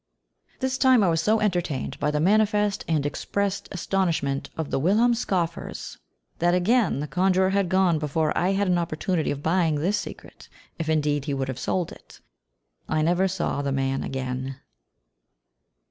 This time I was so entertained by the manifest and expressed astonishment of the whilom scoffers, that again the conjurer had gone before I had an opportunity of buying this secret, if indeed he would have sold it. I never saw the man again.